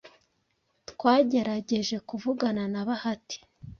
twagerageje kuvugana na bahati